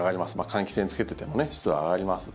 換気扇つけてても湿度は上がります。